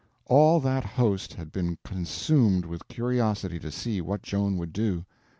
All that host had been consumed with curiosity to see what Joan would do.